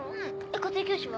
家庭教師は？